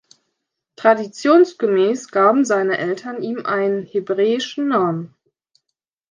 Traditionsgemäß gaben seine Eltern ihm einen hebräischen Namen.